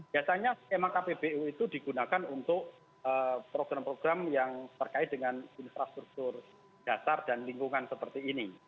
biasanya skema kpbu itu digunakan untuk program program yang terkait dengan infrastruktur dasar dan lingkungan seperti ini